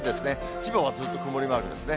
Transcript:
千葉はずっと曇りマークですね。